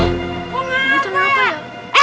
gue gak apa ya